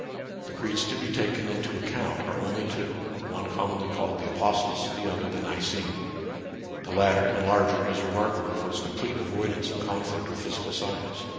The creeds to be taken NATURAL SCIENCE AND RELIGION. 109 into account are only two, — one commonly called the Apostles', the other the Nicene. The latter and larger is remarkable for its complete avoid ance of conflict with physical science.